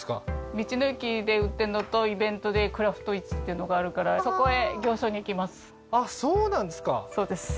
道の駅で売ってんのとイベントでクラフト市っていうのがあるからそこへ行商に行きますあっそうなんですか